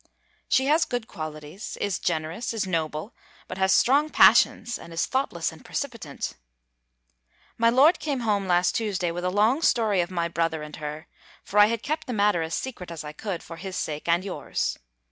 She has good qualities is generous is noble but has strong passions, and is thoughtless and precipitant. My lord came home last Tuesday, with a long story of my brother and her: for I had kept the matter as secret as I could, for his sake and yours.